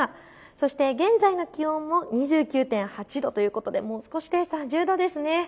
そして現在の気温も２９．８度ということでもう少しで３０度ですね。